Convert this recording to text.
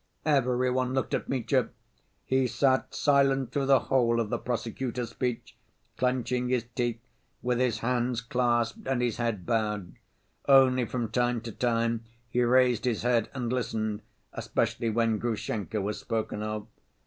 Every one looked at Mitya; he sat silent through the whole of the prosecutor's speech, clenching his teeth, with his hands clasped, and his head bowed. Only from time to time he raised his head and listened, especially when Grushenka was spoken of.